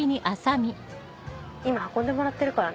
今運んでもらってるからね。